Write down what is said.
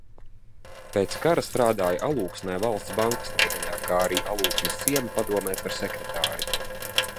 Pēc kara strādāja Alūksnē Valsts bankas nodaļā, arī Alūksnes ciema padomē par sekretāri.